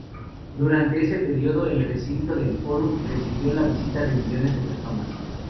Durante ese periodo, el recinto del Fórum recibió la visita de millones de personas.